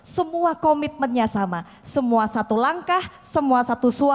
semua komitmennya sama semua satu langkah semua satu suara